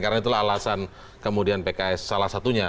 karena itulah alasan kemudian pks salah satunya